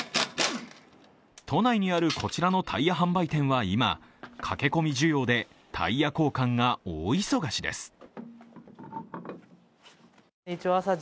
都内にあるこちらのタイヤ販売店は今、駆け込み需要でタイヤ交換が大忙しです。